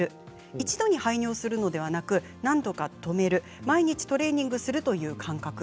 一度に排尿するのではなく何度か止める毎日トレーニングするという感覚。